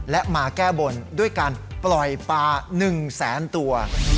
และมาแก้บนด้วยการปล่อยปลา๑แสนตัว